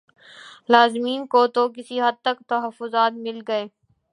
لازمین کو تو کسی حد تک تخفظات مل گئے